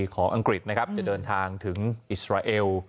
อังกฤษนะครับจะเดินทางถึงอิสราเอล